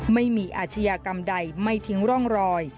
ไม่มีอาชญากรรมใดไม่ทิ้งร่องรอย